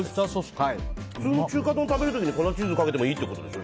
普通の中華丼を食べる時に粉チーズかけてもいいってことでしょ。